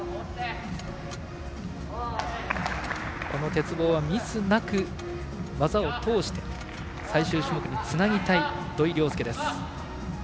鉄棒はミスなく技を通して最終種目につなげたい土井陵輔。